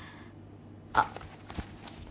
あっ。